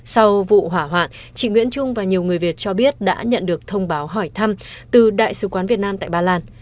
sau vụ hỏa hoạn chị nguyễn trung và nhiều người việt cho biết đã nhận được thông báo hỏi thăm từ đại sứ quán việt nam tại ba lan